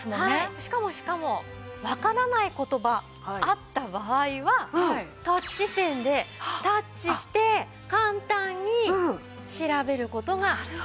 しかもしかもわからない言葉あった場合はタッチペンでタッチして簡単に調べる事ができるというわけなんです。